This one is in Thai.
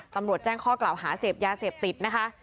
ตำรวจแจ้งข้อกล่าวหาเสพยาเสพติดนะคะ